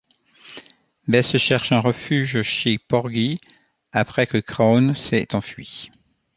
Bess cherche un refuge chez Porgy, après que Crown s'est enfui.